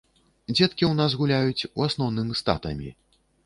Дзеткі ў нас гуляюць, у асноўным, з татамі.